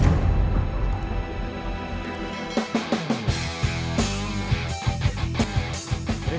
udah pacot tuh semua